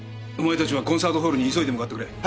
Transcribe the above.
お前たちはコンサートホールに急いで向かってくれ。